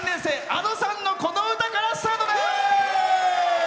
Ａｄｏさんのこの歌からスタートです。